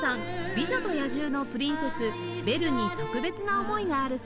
『美女と野獣』のプリンセスベルに特別な思いがあるそうです